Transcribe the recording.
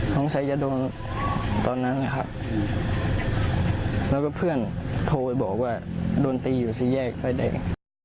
ชายจะโดนตอนนั้นนะครับแล้วก็เพื่อนโทรไปบอกว่าโดนตีอยู่สี่แยกไฟแดง